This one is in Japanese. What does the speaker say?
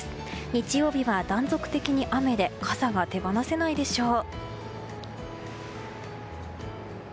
日曜日は断続的に雨で傘が手放せないでしょう。